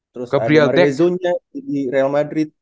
terus ada rezonnya di real madrid